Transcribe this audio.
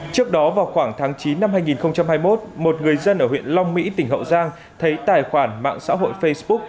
trước đó vào khoảng tháng chín năm hai nghìn hai mươi một một người dân ở huyện long mỹ tỉnh hậu giang thấy tài khoản mạng xã hội facebook